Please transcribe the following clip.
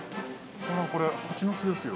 これ蜂の巣ですよ。